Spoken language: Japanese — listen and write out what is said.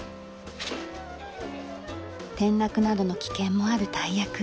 転落などの危険もある大役。